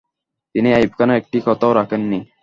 তিনি আইয়ুব খানের একটি কথাও রাখেন নি।